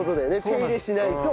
手入れしないと。